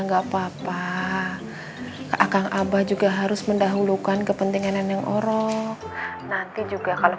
gakpapa ke akang abah juga harus mendahulukan kepentingan anang orok nanti juga kalau